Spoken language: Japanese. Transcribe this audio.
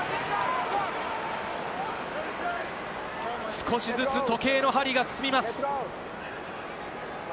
少しずつ時計の針が進みます。